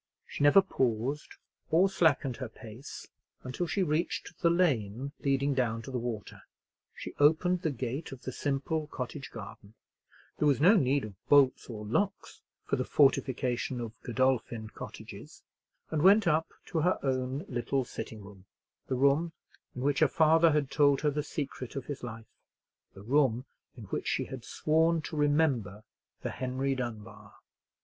She never paused or slackened her pace until she reached the lane leading down to the water. She opened the gate of the simple cottage garden—there was no need of bolts or locks for the fortification of Godolphin Cottages—and went up to her own little sitting room,—the room in which her father had told her the secret of his life,—the room in which she had sworn to remember the name of Henry Dunbar.